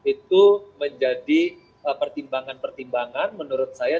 itu menjadi pertimbangan pertimbangan menurut saya